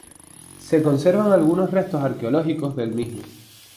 Se conservan algunos restos arqueológicos del mismo.